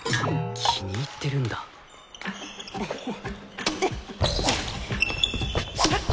気に入ってるんだくっ！